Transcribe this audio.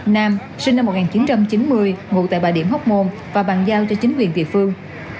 nam sinh năm một nghìn chín trăm chín mươi ngụ tại bà điểm hóc môn và bàn giao cho chính quyền địa phương